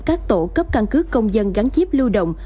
các tổ cấp căn cước công dân gắn chip lưu động